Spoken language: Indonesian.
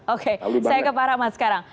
oke saya ke pak rahmat sekarang